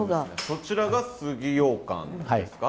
そちらが杉ようかんですか？